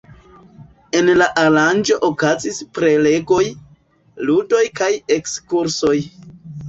En la aranĝo okazis prelegoj, ludoj kaj ekskursoj.